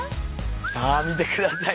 さあ見てください。